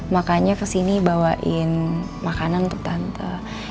makanya kesini bawain makanan untuk tante